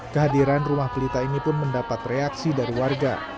kehadiran rumah pelita ini pun mendapat reaksi dari warga